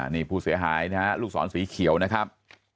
นี่ผู้เสียหายนะฮะลูกศรสีเขียวนะครับ